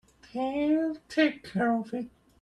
They'll take care of it.